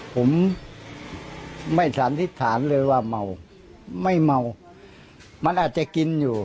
ผมไม่สันนิษฐานเลยว่าเมาไม่เมามันอาจจะกินอยู่